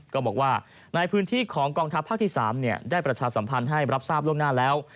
ก็บอกว่าในพื้นที่ของกองทัพภาคที่๓ได้ประชาสัมพันธ์ให้รับทราบล่วงหน้าแล้ว